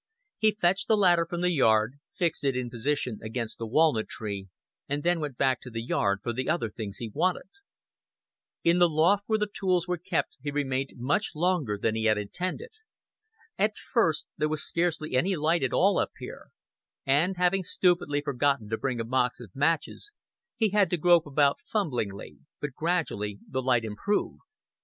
He fetched the ladder from the yard, fixed it in position against the walnut tree, and then went back to the yard for the other things he wanted. In the loft where the tools were kept he remained much longer than he had intended. At first there was scarcely any light at all up here, and, having stupidly forgotten to bring a box of matches, he had to grope about fumblingly; but gradually the light improved.